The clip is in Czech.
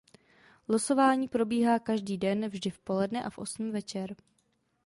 Losování probíhá každý den vždy v poledne a v osm večer.